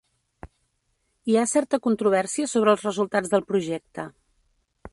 Hi ha certa controvèrsia sobre els resultats del projecte.